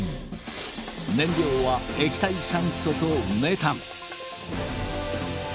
燃料は液体酸素とメタン。